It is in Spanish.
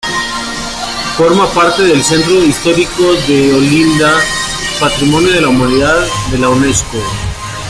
Forma parte del Centro histórico de Olinda, Patrimonio de la Humanidad de la Unesco.